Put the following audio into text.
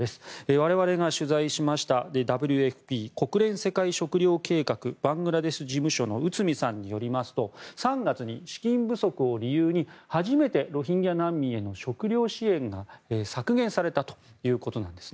我々が取材しましたＷＦＰ・国連世界食糧計画バングラデシュ事務所の内海さんによりますと３月に資金不足を理由に初めてロヒンギャ難民への食料支援が削減されたということです。